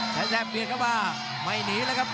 แสนแซมเบียดเข้ามาไม่หนีแล้วครับ